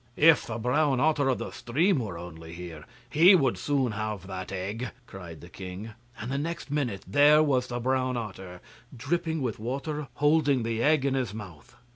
'If the brown otter of the stream were only here, he would soon have that egg,' cried the king; and the next minute there was the brown otter, dripping with water, holding the egg in his mouth.